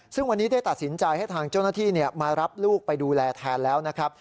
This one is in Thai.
ซึ่งวันนี้ได้ตัดสินใจให้ทางเจ้าหน้าที่มารับลูกไปดูแลแทนแล้วนะครับ